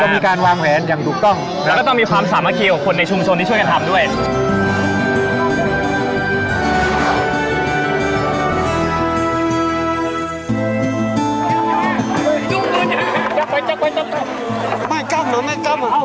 มีการวางแผนอย่างถูกต้องแล้วก็ต้องมีความสามัคคีกับคนในชุมชนที่ช่วยกันทำด้วย